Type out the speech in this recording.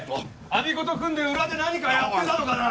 我孫子と組んで裏で何かやってたのかな